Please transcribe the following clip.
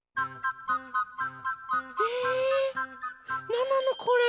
なんなのこれ？